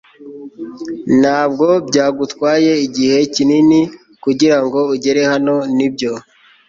ntabwo byagutwaye igihe kinini kugirango ugere hano, nibyo